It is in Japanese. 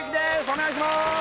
お願いします